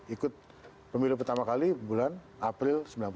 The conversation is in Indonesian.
ikut pemilu pertama kali bulan april sembilan puluh sembilan